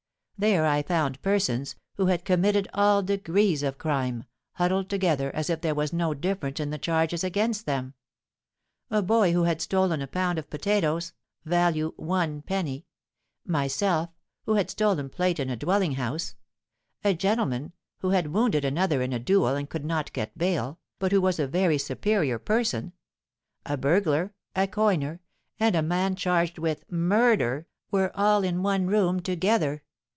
There I found persons, who had committed all degrees of crime, huddled together as if there was no difference in the charges against them. A boy who had stolen a pound of potatoes, value one penny—myself, who had stolen plate in a dwelling house—a gentleman, who had wounded another in a duel and could not get bail, but who was a very superior person—a burglar—a coiner—and a man charged with murder, were all in one room together!